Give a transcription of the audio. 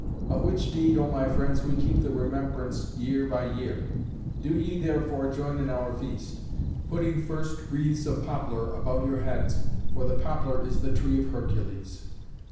Of which deed, O my friends, we keep the remembrance year by year. Do ye, therefore, join in our feast, putting first wreaths of poplar about your heads, for the poplar is the tree of Hercules." [Illustration: HERCULES AND CACUS.